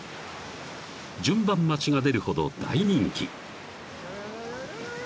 ［順番待ちが出るほど大人気］